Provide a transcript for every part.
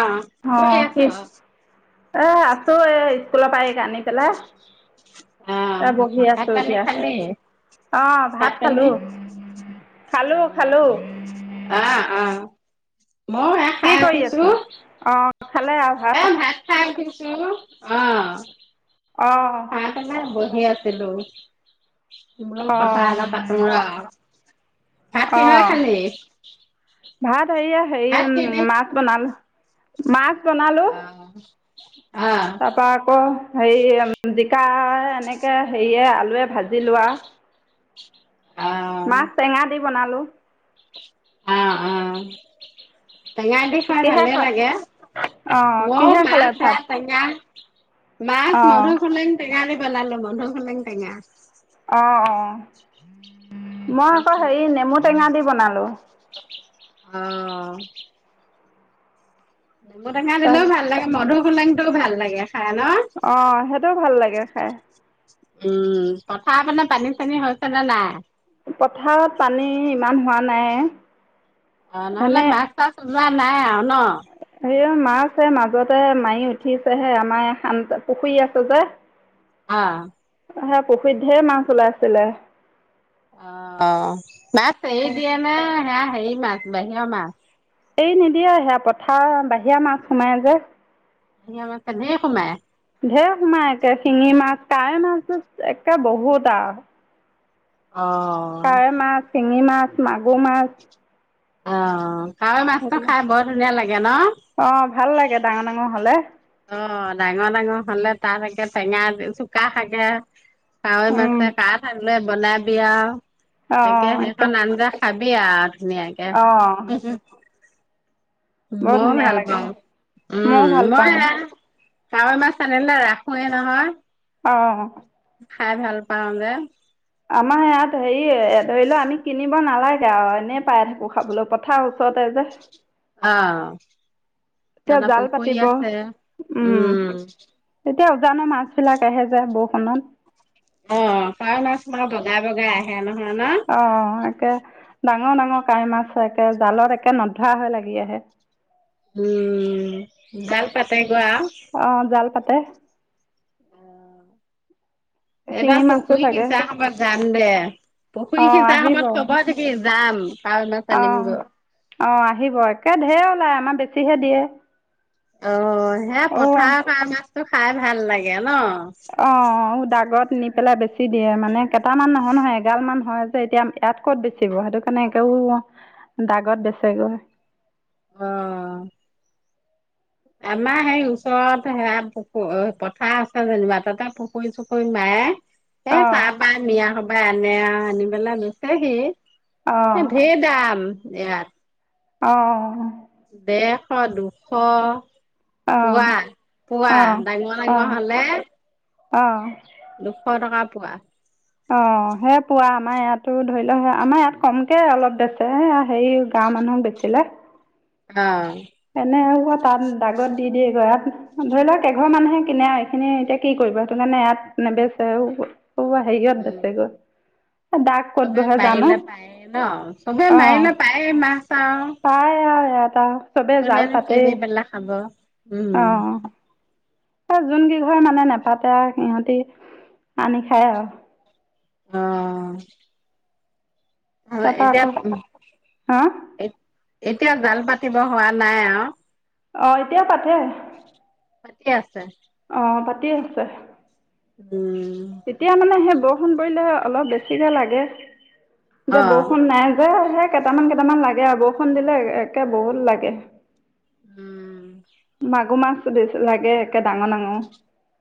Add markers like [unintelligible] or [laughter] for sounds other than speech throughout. অ অ, থৈ আছ কি এ আছো এই স্কুল পা এইক আনি পেলাই। অ, এ বহি ভাত আছো খালি এতিয়া খালি, অ ভাত খালি খালো খালো অ, খালো অ অ। মই কি খাই কৰি উঠিছো, আছে অ খালে আৰু এ ভাত খাই উঠিছো হেল্লো অ। অ খাই পেলাই বহি আছিলো। বোলো অ কথা অলপ পাতো আও। ভাত অ কিহে খালি। ভাত সৰিয়হ হেই, ভাত উম কিহেদি মাছ বনালো। মাছ অ কি তাৰ পৰা আকৌ হেৰি জিকা এনেকে হেৰিয়ে আলু ভাজি লোৱা অ মাছ টেঙা দি বনালো আহ আহ টেঙা দি খাই কিহে ভালে খাল লাগে অ ময়ো কিহে খালে মাছ ভাত সেয়া টেঙা মাছ অ মধুখোলেং টেঙা দি বনালো মধুখোলেং টেঙা অ অ মই আকৌ তাৰপিছতে হেৰি নেমু টেঙা দি বনালো আহ নেমু টেঙা তাৰ দিলেও ভাল লাগে মধু ফোলেংটো ভাল লাগে খাই ন অ সেইটোও ভাল লাগে খাই উম পথাৰ ফালে পানী চানী হৈছে নে নাই পথাৰত পানী ইমান হোৱা নাই অ নহলে এনে মাছ চাছ ওলোৱা নাই আৱ ন হেই মাছে মাজতে মাৰি উঠিছে হে আমাৰ পুখুৰী আছে যে অ তহতৰ পুখুৰীত ধেৰ মাছ ওলাইছিলে অ বাছ সেৰি দিয়ে নে এৰি সেয়া সেৰি মাছ বাহিৰা মাছ। এই নিদিয়ে সেয়া পথাৰ বাহিৰা মাছ সোমাই যে। দুনিয়া মাছ কেনে সোমাই। ধেই সোমাই একে শিঙি মাছ, কাৱৈ মাছটো একে বহুত আৰু। অ কাৱৈ মাছ, শিঙি মাছ, মাগুৰ মাছ, অ', কাৱৈ মাছটো সেইবিলাক খাই বৰ ধুনীয়া লাগে ন। অঁ ভাল লাগে ডাঙৰ ডাঙৰ হ'লে অ', ডাঙৰ-ডাঙৰ হ'লে তাত চাগে টেঙা চুকা শাকে কাৱৈ উম। মাছে কা থাকে বনাই বিয়া তাকে অ', সেইখন আকাশ আঞ্জা খাব দিয়া ধুনীয়া তাকে। অ', বৰ মই ধুনীয়া ভাল লাগে পাওঁ। ময়ো উম' ভাল মই পাওঁ ভা কাৱৈ মাছ আনিলে ৰাখোৱে নহয়। অ', খাই ভাল পাওঁ যে। আমাৰ হেৰি ধৰি লও আমি কিনিম খাব নালাগে আৰু এনেই পাই থাকো খাবলৈ পথাৰ ওচৰতে যে। অ', এতিয়া তাৰ জাল পুখুৰী পাতিব আছে। উম', এ উজানৰ মাছ বিলাক আহে যে বৰষুণত। অ', কাৱৈ মাছ বগাই-বগাই আহে ন। নহয় অ', তাকে দা ডাঙৰ-ডাঙৰ কাৱৈ মাছ একে জালত একে নধৰা হয় লাগি আহে। উম' জাল পাতে অ' জাল পাতি এ শিঙি এইবাৰ মাছো পুখুৰী লাগে সিচা সময়ত যাম। ন [unintelligible] পুখুৰী সিচাৰ সময়ত খবৰ দিবি। যাম। কাৱৈ মাছ আনিমগৈ অ-অ আহিব একে ঢেই ওলাই আমাৰ বেছি চিহে দিয়ে। অ', এ অ', পথাৰ কাৰণে এইটো খাই ভাল লাগে ন? অ দাগত নি পেলাই বেছি দিয়ে মানে। কেইটামান নহয় নহয়, এগাল মান হয় যে এতিয়া ইয়াত ক'ত বেচিব, সেইটো কাৰণে একেও দাগত বেছেগৈ। অহ আমাৰ সেই ওচৰত সেয়া পুখুৰী পথাৰ আছে যেনিবা, তাতে পুখুৰী চুখুৰী নাই। এ অ', তাৰ পৰা নিয়া। পাই আনে আনি পেলাই বেছেহি। অ', হে ধেৰ দাম। ইয়াত অ অ ডেৰশ, দুশ পোৱা অ', পোৱা অ', দাঙিব লাগিব নহলে। অ দুশ টকা পোৱা অ সেই পুৱা আমাৰ ইয়াতো ধৰি লওক আমাৰ ইয়াত কমকে অলপ বেছে, হেৰি গাঁৱৰ মানুহক বেচিলে অ এনে আৰু। হওঁ তাত দাগত দি দিয়ে গৈ ধৰি লওক অ এঘৰ মানুহে কিনে এইখিনি। এতিয়া কি কৰিবা, সেইটো কাৰণে ইয়াত নেবেছে আৰু। উ দাগ ক'ত চবে বহে জানো মাৰিলে পায় ন? চবে মাৰিলে পায় মাছ। আৰু পায় আৰু এটা চবে জাল কোনেনো পাতেই। কিনি পেলাই খাব উম অ যোন কেইঘৰে মানে নেপাতে আৰু সিহঁতি আনি খায় আৰু। অহ তাৰপৰা আকৌ হম্। এ এতিয়া জাল পাতিব হোৱা নাই আৰু অ এতিয়া পাতে। [unintelligible] আছে আহ পাতিয়ে আছে। উম তেতিয়া মানে হে ব বৰষুণ পৰিলে অলপ বেছিকে লাগে। অ এতিয়া বৰষুণ নাই যে হে কেইটামান কেইটামান লাগে আৰু বৰষুণ দিলে একে বহুত লাগে। উম মাক মাগুৰ মাছ, বেছি লাগে একে ডাঙৰ -ডাঙৰ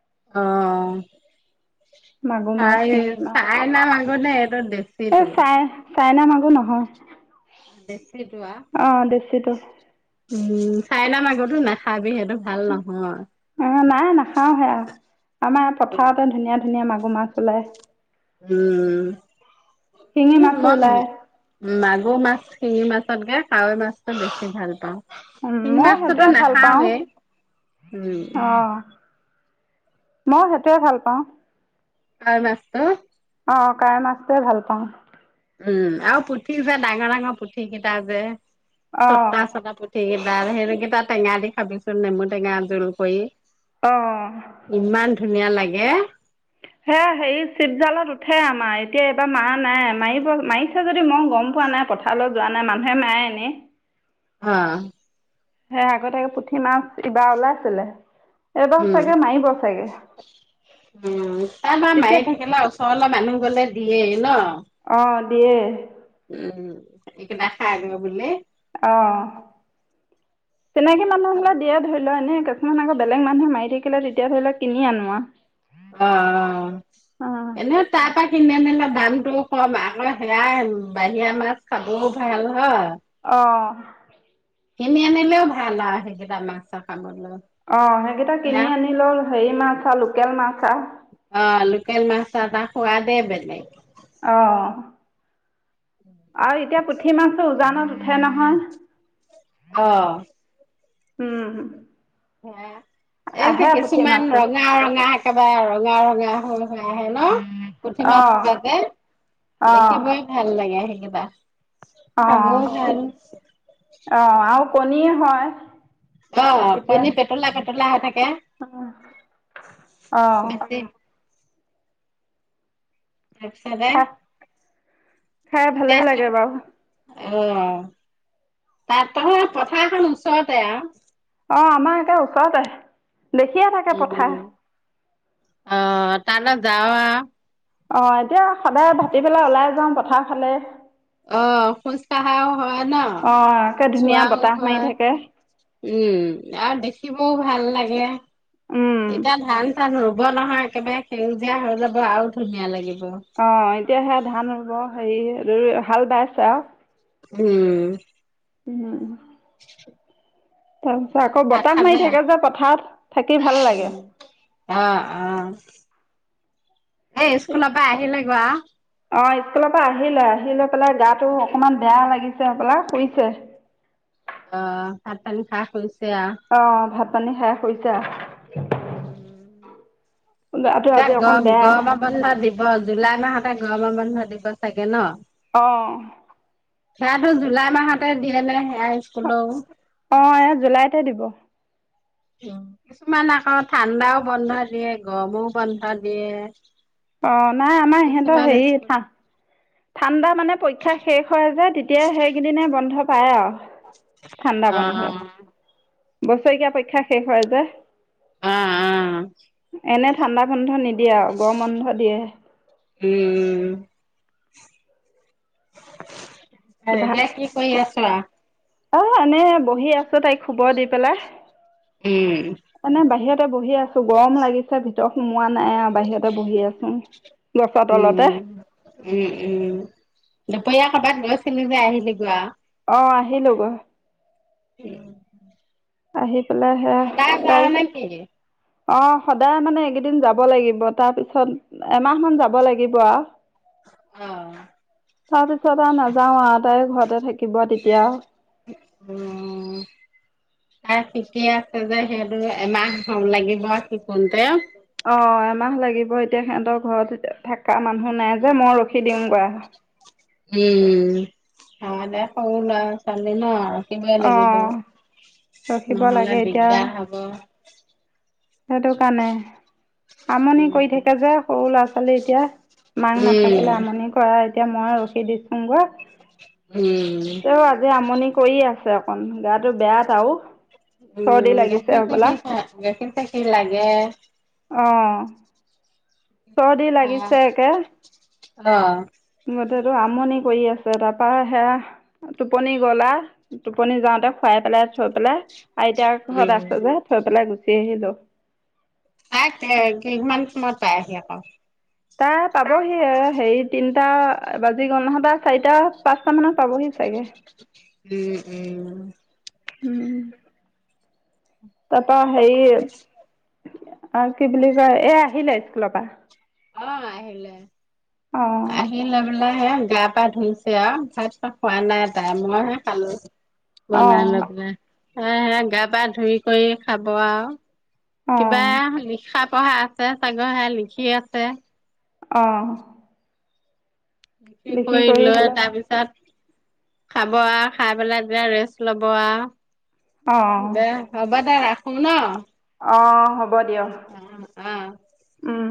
অহ ', মাগুৰ মাছ [unintelligible] শিঙি মাছ [unintelligible] এ, এই চাই দেছিটো। চাইনা মাগুৰ নহয়। [unintelligible] কিটোৱা। চিটো। উম', চাই লম আগতো নাখাবি হেতু। অ ', নাই নাখাও সেয়া আমাৰ পথাৰতে ধুনীয়া, ধুনীয়া মাগুৰ -মাছ ওলায়। উম', শিঙি উম, মাছো মম ওলায় মাগুৰ মাছ, শিঙি মাছত গে কাৱৈ মাছতো, বেছি ভাল পাওঁ। উম', শিঙি মই মাছটোতো সেইটোয়ে ভাল পাওঁ। নাখাওৱে উম অহ ', মই সেইটোৱে ভাল পাওঁ। কাৱৈ মাছটো। অ', কাৱৈ মাছটোৱে ভাল পাওঁ। উম', আৰু পুঠি যে ডাঙৰ -ডাঙৰ পুঠি কেইটা যে, অঁ ছটা- ছটা পুঠি, তাৰ সেকেইটা টেঙা দি খাবিচোন নেমু টেঙা জোল কৰি। অহ ', ইমান ধুনীয়া লাগে। সেয়া হেৰি চিটজালত উঠে আমাৰ এতিয়া এইবাৰ মাৰা নাই, মাৰিব, মাৰিছে যদি মই গম পোৱা নাই পথাৰত যোৱা নাই মানুহে মাৰে এনে, হা, সেই আগতে পুঠি মাছ ইবাৰ ওলাইছিলে। এবাৰ উম চাগে মাৰিব চাগে, উম তাৰপৰা তেতিয়া, মাৰি থাকিলে ওচৰলে মানুহ গলে দিয়েই ন, ' অহ ', দিয়ে। এইকেইটা খাই দিব বোলে। অহ ', তেনেকে মানুহ হলে দিয়ে ধৰি লোৱা এনে, কিছুমান আকৌ বেলেগ মানুহে মাৰি থাকিলে, তেতিয়া ধৰি লক কিনি আনোৱা, অ ', - অ', এনে তাৰপা, কিনি আনিলে দামটোও কম, আকৌ সেয়াই বাহিৰা মাছ খাবও ভাল হয়। অহ ', কিনি আনিলেও ভাল আৰু সেইকেইটা মাং চা খাবলৈ। অ সেইকেইটা সেয়া কিনি আনিলেই হেৰি মাছ আৰু লোকেল মাছ আৰু। অ লোকেল মাছৰ হোৱাদে বেলেগ। আহ আৰু এতিয়া পুঠি পুঠি মাছটো উজানত উঠে নহয়। অ। উম। হা এই যে আহে পুঠি কিছুমান মাছটো ৰঙা ৰঙা একেবাৰে ৰঙা ৰঙা হৈ আহে ন পুঠি অ মাছ চোপাতে অ দেখিবই ভাল লাগে সেইেই বাহ অ অ আৰু কণীয়েে হয়। অ এতিয়া কণী পেটলা পেটলা হৈ থাকে। অ তাৰপিছতে খা খাই ভালে লাগে এতিয়া বাৰু অ তাত তহত পথাৰ এখন ওচৰতে আৰু অ আমাৰ একে ওচৰতে আহ দেখিয়ে থাকে পথাৰ। উম অ তালে জাও আও। অ এতিয়া সদায় ভাতি পেলাই ওলাই যাওঁ পথাৰ। ভালে অ খোজ কঢ়াও হয় ন অঁ একে ধুনীয়া চোৱাও বতাহ মাৰি হয় থাকে উম আৰু দেখিব মোৰ ভাল লাগে। এটা ভাল চানো হব নহয় একেবাৰে সেউজীয়া হৈ যাব আৰু ধুনীয়া লাগিব। অ এতিয়া সেয়া ধান ৰুব হেৰি হাল বাইছ আৰু উম। উম উ [unintelligible] তাৰ পিছত কালি আকৌ ভাত বতাহ মাৰি খালে? থাকে যে পথাৰত থাকি ভাল লাগে। অ', এ স্কুলৰ পৰা আহিলে। বা অ স্কুলৰ পৰা আহিলে আহিলে পেলাই গাটো অকনমান বেয়া লাগিছে সপলা শুইছে। অ ভাত পানী খাই হৈছে আৰু। অ ভাত পানী খাই হৈছে শতা উম গাটো এনে আজি গ অকণ বেয়া গম বনা দিব জুলাই মাহতে গৰমৰ মানুহ দিব চাগে ন আহ সেয়াতো জুলাই মাহতে দিয়ে মানে অ এ জুলাইতে দিব কিছুমান আকৌ ঠাণ্ডাও বন্ধ দিয়ে গৰমও বন্ধ দিয়ে অ নাই আমাৰ ইহঁতৰ কিছুমান হেৰি স্কুল ঠাণ্ডা মানে পৰীক্ষা শেষ হৈ যোয় তেতিয়া সেইকেইদনে বন্ধ পাই পাওঁ অ বছৰেকীয়া পৰীক্ষা শেষ হয় যে অ', অ', এনে ঠাণ্ডা বন্ধ নি দিয়া গৰম বন্ধ দিয়ে উম। হয়। ভা এতিয়া কি কৰি আছ আ অ এনেয়ে বহি আছো তাইক শুব দি পেলাই উম, এনে বাহিৰত বহি আছো গৰম লাগিছে ভিতৰত সোমোৱা নাই বাহিৰতে বহি আছো গছৰ তলতে উম। বিয়া ক'বাত গৈছিলো যে আহিলি গোৱা অহ আহিলো গৈ উম আহি পেলাই সেয়া ডায় তাইক নক অ সদায় মানে এইকেইদিন যাব লাগিব তাৰপিছত এমাহ মান যাব লাগিব আ অ', তাৰপিছত আৰু নাযাও আ তাই ঘৰতে থাকিব তেতিয়া উম তাই শিকি আছে যে সেইটো এমাহ হ লাগিব শিকোংতে অ মাহ লাগিব এতিয়া সিহঁতৰ ঘৰত থাক তা মানুহ নাই যে উম। মই ৰখি দিমগৈ উম হয় দে সৰু ল'ৰা ছোৱালী ন থাকিবই অ লাগিব ৰখিব লাগে নহলে এতিয়া দিগদাৰ হব সেইটো কাৰণে আমনি কৰি উম, থাকে যে সৰু ল'ৰা ছোৱালী এতিয়া মাঁক উম, নাথাকিলে আমনি কৰে। এতিয়া মই ৰখি দিছোংগৈ। উম। তেওঁ আজি আমনি কৰি আছে। অকন গাটো বেয়া তাও। উম গাখীৰ গাখীৰ খাই আছিলে গাখীৰ। সি লাগে। অঁ। চৰ্দি লাগিছে একে। অ গোটেইটো আমনি কৰি আছে তাৰ পৰা সেয়া টোপনি গলা টোপনি যাওঁতে খুৱাই পেলাই থৈ পেলাই আইতাক ঘৰত উম, আছে যে থৈ পেলাই গুচ পিন্ধিলো। তাই কে কিমান সময়ত পায় হি আকৌ? তাই পাব হিয়েই। হেৰি তিনটা বাজি গ'ল নহয়। তাই চাৰিটা পাঁচটা মানত পাবহি চাগে। উম উম উম তাৰ পৰা হেৰি। আক কি বুলি কয়? এই আহিলে স্কুলৰ পৰা? অ' আহিলে। আহি অঁ লৈ পেলাই হেইয়া গা পা ধুইছে আৰু ভাত চাট খোৱা নাই তাই মইহে খালো। বনাই অঁ লৈ পেলাই। তাই হে গা পা ধুই কৰি খাব আৰু। কিবা অঁ লিখাত পঢ়া আছে চাগৈ সেইয়া লিখি আছে। অহ। লিখি কৰি লৈ হ'লে তাৰপিছত খাব আৰ। খাই পেলাই তেতিয়া ৰেষ্ট ল'ব আৰ। অঁ দে হ'ব দে ৰাখ। সোনৰ? অ' হব। হ'ব দিয়ক। অ'। উম।